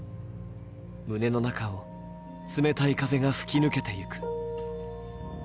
胸の中を冷たい風が吹き抜けていく。